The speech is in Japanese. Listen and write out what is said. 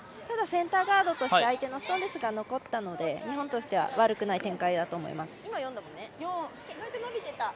ただ、センターガードとしては相手のストーンが残ったので、日本としては悪くない展開だと思います。